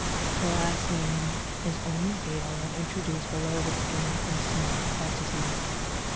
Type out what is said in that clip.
The last named is only fatal when introduced below the skin in small quantities.